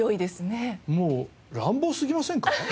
もう乱暴すぎませんか？